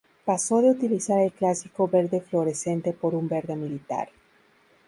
Pasó de utilizar el clásico verde fluorescente por un verde militar.